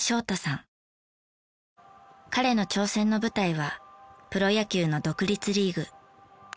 彼の挑戦の舞台はプロ野球の独立リーグ。